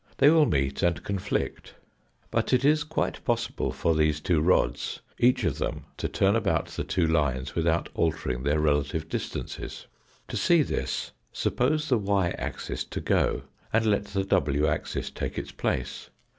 They will meet and conflict. But it is quite possible for these two rods each of them to turn about the two lines without altering their relative distances. To see this suppose the y axis to go, and let the w axis take its place.